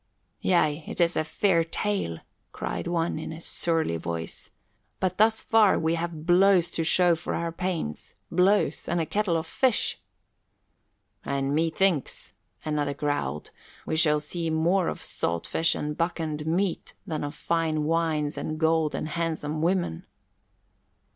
"Yea, it is a fair tale," cried one, in a surly voice, "but thus far we have blows to show for our pains blows and a kettle of fish." "And methinks," another growled, "we shall see more of salt fish and buccaned meat, than of fine wines and gold and handsome women."